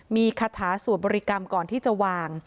มีคาถาสวดบริกรรมก่อนที่จะวาง